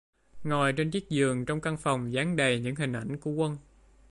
Ngồi trên chiếc giường trong căn phòng dán đầy những hình ảnh của quân